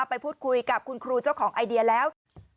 ไปพูดคุยกับคุณครูเจ้าของไอเดียแล้ว